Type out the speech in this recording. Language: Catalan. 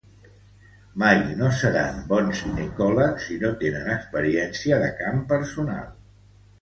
Mai no seran bons ecòlegs si no tenen experiència de camp personal.